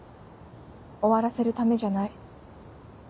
終わらせるためじゃない。